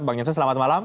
bang jansan selamat malam